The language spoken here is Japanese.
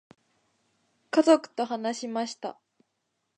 家族と話しました。